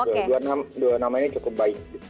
dua namanya cukup baik